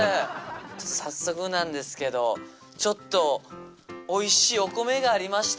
早速なんですけどちょっとおいしいお米がありまして。